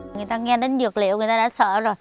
người ta nghe đến dược liệu người ta đã sợ rồi